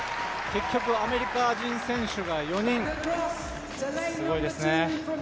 結局、アメリカ人選手が４人、すごいですね。